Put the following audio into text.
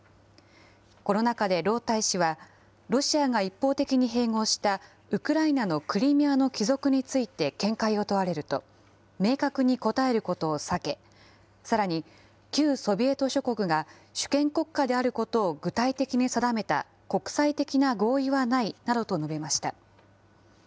この中で盧大使は、ロシアが一方的に併合したウクライナのクリミアの帰属について見解を問われると、明確に答えることを避け、さらに旧ソビエト諸国が主権国家であることを具体的に定めた国際的な合意はないなどと述べました。